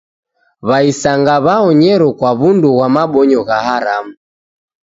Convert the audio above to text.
W'aisanga w'aonyero kwa w'undu ghwa mabonyo gha haramu